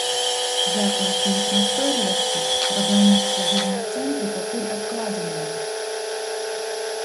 Дзякуючы іх настойлівасці, будаўніцтва бізнэс-цэнтру пакуль адкладзенае.